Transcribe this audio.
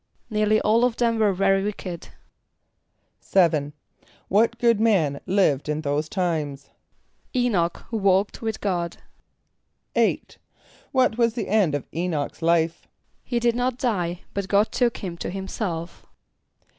=Nearly all of them were very wicked.= =7.= What good man lived in those times? =[=E]´n[)o]ch, who walked with God.= =8.= What was the end of [=E]´n[)o]ch's life? =He did not die, but God took him to himself.